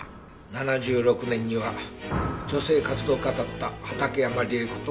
７６年には女性活動家だった畑山里江子と結婚。